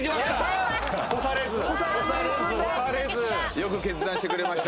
よく決断してくれました。